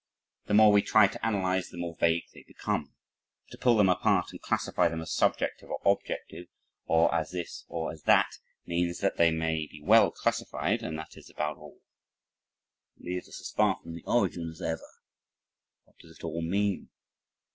The more we try to analyze the more vague they become. To pull them apart and classify them as "subjective" or "objective" or as this or as that, means, that they may be well classified and that is about all: it leaves us as far from the origin as ever. What does it all mean?